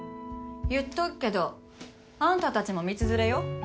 言っとくけどあんたたちも道連れよ。